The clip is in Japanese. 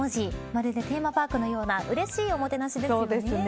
まるでテーマパークのようなうれしい、おもてなしですよね。